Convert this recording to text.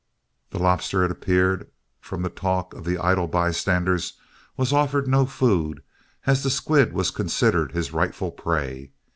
The lobster, it appeared from the talk of the idle bystanders, was offered no food, as the squid was considered his rightful prey.